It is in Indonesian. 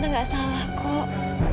tante gak salah kok